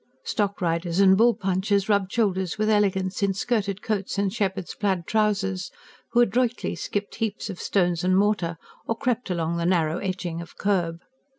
Stock riders and bull punchers rubbed shoulders with elegants in skirted coats and shepherd's plaid trousers, who adroitly skipped heaps of stones and mortar, or crept along the narrow edging of kerb.